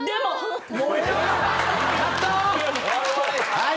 はい。